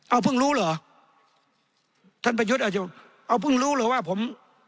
เอาเพิ่งรู้เหรอท่านประยุทธ์อาจจะเอาเพิ่งรู้เหรอว่าผม